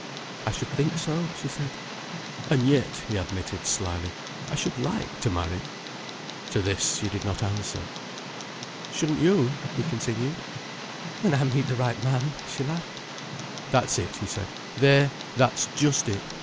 "I should think so," she said. "And yet," he admitted slyly, "I should like to marry—" To this she did not answer. "Shouldn't you?" he continued. "When I meet the right man," she laughed. "That's it," he said. "There, that's just it!